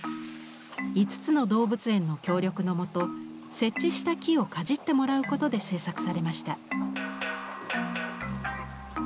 ５つの動物園の協力のもと設置した木をかじってもらうことで制作されました。